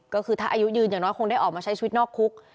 ก็คือถ้าอายุยืนอย่างน้อยคงได้ออกมาใช้ชีวิตนอกคุก